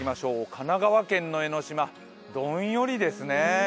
神奈川県の江の島、どんよりですね